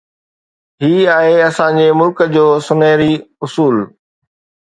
هي آهي اسان جي ملڪ جو سونهري اصول.